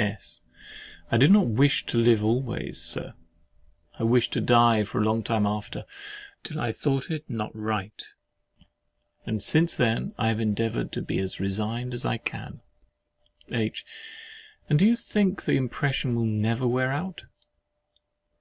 S. I did not wish to live always, Sir—I wished to die for a long time after, till I thought it not right; and since then I have endeavoured to be as resigned as I can. H. And do you think the impression will never wear out?